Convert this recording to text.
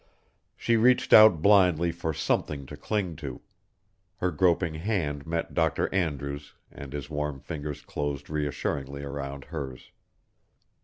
She reached out blindly for something to cling to. Her groping hand met Dr. Andrews' and his warm fingers closed reassuringly around hers.